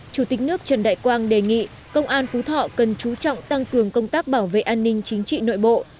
chủ tịch nước trần đại quang đề nghị công an phú thọ cần chú trọng tăng cường công tác bảo vệ an ninh chính trị nội bộ